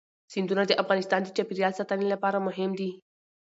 سیندونه د افغانستان د چاپیریال ساتنې لپاره مهم دي.